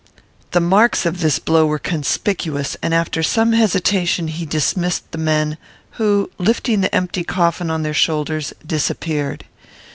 The marks of this blow were conspicuous, and after some hesitation he dismissed the men; who, lifting the empty coffin on their shoulders, disappeared.